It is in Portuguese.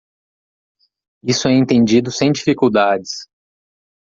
Isso é entendido sem dificuldades.